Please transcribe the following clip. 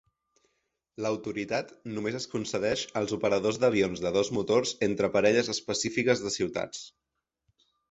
L'autoritat només es concedeix als operadors d'avions de dos motors entre parelles específiques de ciutats.